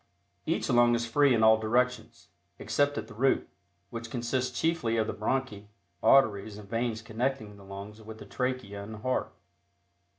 Each lung is free in all directions, except at the root, which consists chiefly of the bronchi, arteries and veins connecting the lungs with the trachea and heart.